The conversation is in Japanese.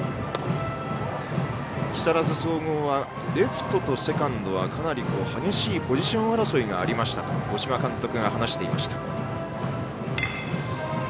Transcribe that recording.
木更津総合はレフトとセカンドはかなり激しいポジション争いがありましたと五島監督が話していました。